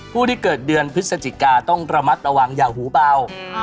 ผู้ที่เกิดเดือนพฤศจิกาต้องระมัดระวังอย่าหูเบา